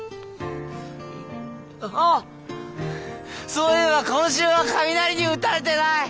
そういえば今週は雷に打たれてない！